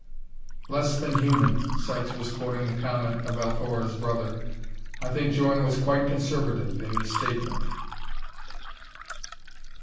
"Less than human!" Sykes was quoting the comment of Althora's brother. "I think Djorn was quite conservative in his statement."